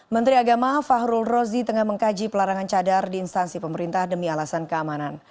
menteri agama fahrul rozi tengah mengkaji pelarangan cadar di instansi pemerintah demi alasan keamanan